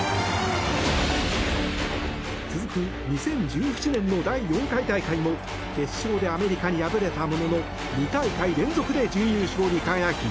続く２０１７年の第４回大会も決勝でアメリカに敗れたものの２大会連続で準優勝に輝き